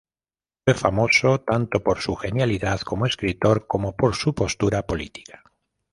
Fue famoso tanto por su genialidad como escritor como por su postura política.